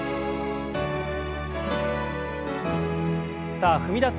さあ踏み出す